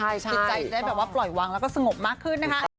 กิจใจได้ปล่อยวางแล้วก็สงบมากขึ้น